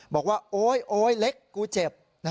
บอกว่าโอ๊ยโอ๊ยเล็กกูเจ็บ